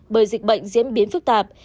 bởi dịch bệnh diễn biến phức tạp